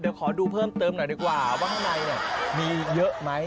เดี๋ยวขอดูเพิ่มเติมหน่อยดีกว่าว่าข้างในมีเยอะไหม